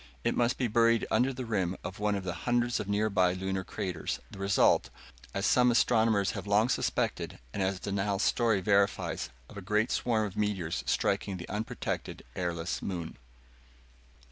It must be buried under the rim of one of the hundreds of nearby Lunar craters the result, as some astronomers have long suspected and as Dunal's story verifies, of a great swarm of meteors striking the unprotected, airless moon.